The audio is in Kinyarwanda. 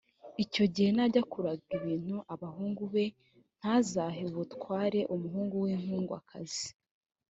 icyo gihe najya kuraga ibintu abahungu be, ntazahe ubutware umuhungu w’inkundwakazi